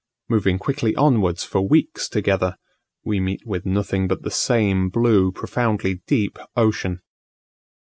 Moving quickly onwards for weeks together, we meet with nothing but the same blue, profoundly deep, ocean.